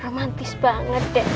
romantis banget deh